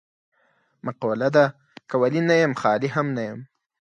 مقوله ده: که ولي نه یم خالي هم نه یم.